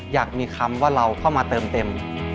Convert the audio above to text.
อยากมีคำว่าเราเข้ามาเติมเต็ม